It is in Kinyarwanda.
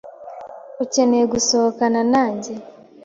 Ukeneye gusohokana nanjye?